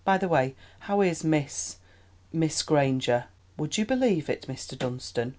By the way, how is Miss—Miss Granger? Would you believe it, Mr. Dunstan?